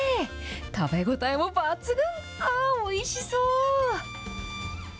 食べ応えも抜群、ああ、おいしそう。